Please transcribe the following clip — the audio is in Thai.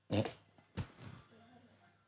นี่